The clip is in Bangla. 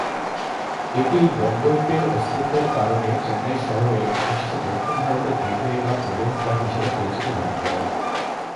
এটি বন্দরটির অস্তিত্বের কারণে চেন্নাই শহর অবশেষে দক্ষিণ ভারতের গেটওয়ে বা প্রবেশ দ্বার হিসাবে পরিচিতি লাভ করে।